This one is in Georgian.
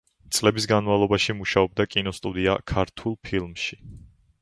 წლების განმავლობაში მუშაობდა კინოსტუდია „ქართულ ფილმში“.